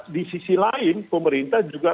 di sisi lain pemerintah juga